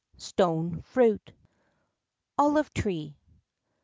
STONE FRUIT. OLIVE TREE.